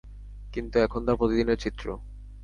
কিন্তু এখন তা প্রতিদিনের চিত্র।